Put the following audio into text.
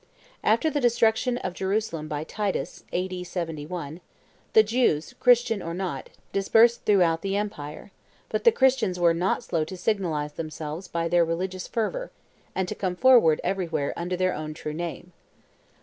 After the destruction of Jerusalem by Titus (A.D. 71), the Jews, Christian or not, dispersed throughout the Empire; but the Christians were not slow to signalize themselves by their religious fervor, and to come forward everywhere under their own true name.